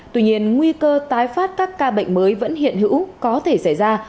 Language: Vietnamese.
tuy nhiên nguy cơ tái phát các ca bệnh mới vẫn hiện hữu có thể xảy ra